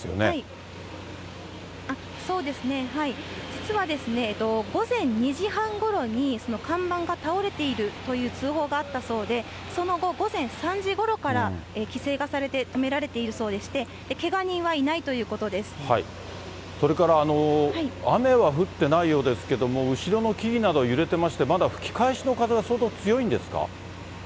実は午前２時半ごろに、看板が倒れているという通報があったそうで、その後、午前３時ごろから規制がされて止められているそうでして、それから、雨は降ってないようですけれども、後ろの木々など揺れてまして、まだ吹き返しの風が、相当強いんですか。